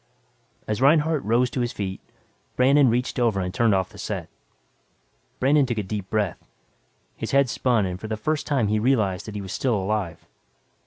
As Reinhardt rose to his feet, Brandon reached over and turned off the set. Brandon took a deep breath. His head spun and for the first time he realized that he was still alive.